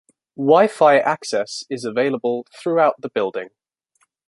Wi-fi access is available throughout the building.